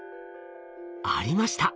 ありました。